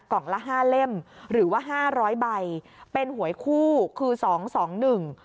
ละห้าเล่มหรือว่าห้าร้อยใบเป็นหวยคู่คือสองสองหนึ่ง